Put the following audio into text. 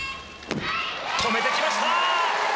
止めてきました！